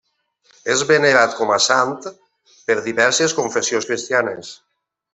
És venerat com a sant per diverses confessions cristianes.